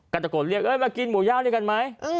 กระตะโกรธเรียกเอ๊ะมากินหมูยาวด้วยกันไหม